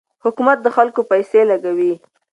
حکومت د خلکو پیسې لګوي.